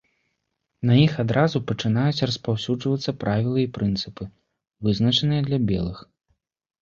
На іх адразу пачынаюць распаўсюджвацца правілы і прынцыпы, вызначаныя для белых.